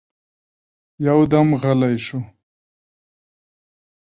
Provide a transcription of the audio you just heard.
يودم غلی شو.